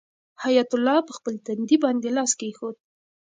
حیات الله په خپل تندي باندې لاس کېښود.